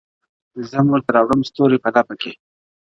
• ځم ورته را وړم ستوري په لپه كي.